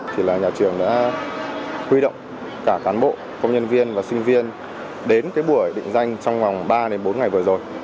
thì là nhà trường đã huy động cả cán bộ công nhân viên và sinh viên đến cái buổi định danh trong vòng ba đến bốn ngày vừa rồi